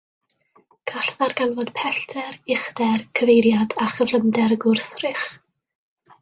Gall ddarganfod pellter, uchder, cyfeiriad a chyflymder y gwrthrych.